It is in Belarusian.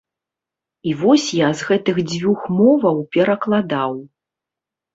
І вось я з гэтых дзвюх моваў перакладаў.